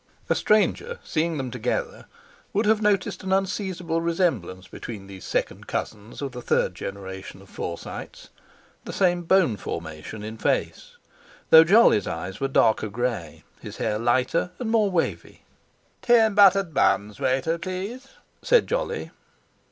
A stranger, seeing them together, would have noticed an unseizable resemblance between these second cousins of the third generations of Forsytes; the same bone formation in face, though Jolly's eyes were darker grey, his hair lighter and more wavy. "Tea and buttered buns, waiter, please," said Jolly.